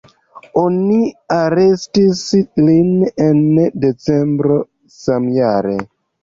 Oni arestis lin en decembro samjare.